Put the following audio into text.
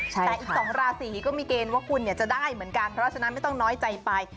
แต่อีก๒ราศีก็มีเกณฑ์ว่าคุณจะได้เหมือนกันเพราะฉะนั้นไม่ต้องน้อยใจไป